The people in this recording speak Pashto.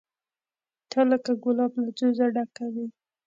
ته لکه ګلاب له ځوزه ډکه وې